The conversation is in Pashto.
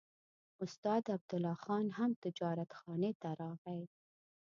استاد عبدالله خان هم تجارتخانې ته راغی.